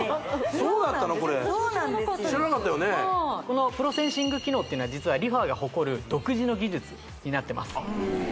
これこのプロセンシング機能っていうのは実はＲｅＦａが誇る独自の技術になってます